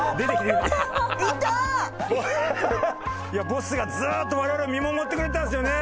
ボスがずーっと我々を見守ってくれてたんですよね。